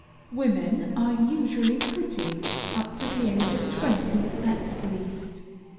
Women are usually pretty, up to the age of twenty, at least.